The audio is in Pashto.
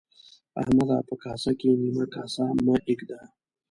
احمده! په کاسه کې نيمه کاسه مه اېږده.